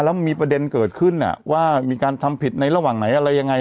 แล้วมีประเด็นเกิดขึ้นว่ามีการทำผิดในระหว่างไหนอะไรยังไง